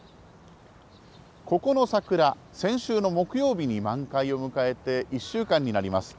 ここの桜、先週の木曜日に満開を迎えて、１週間になります。